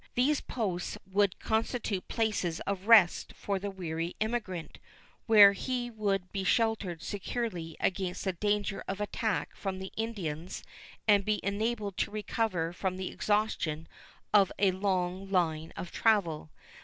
These posts would constitute places of rest for the weary emigrant, where he would be sheltered securely against the danger of attack from the Indians and be enabled to recover from the exhaustion of a long line of travel.